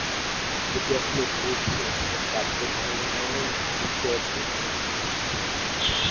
এটি আসলে নৃত্য ও কাব্যের সমন্বয়ে সৃষ্ট এক নৃত্যনাট্য।